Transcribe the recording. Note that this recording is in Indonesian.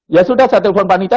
ya sudah saya telpon parkirnya